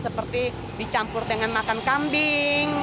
seperti dicampur dengan makan kambing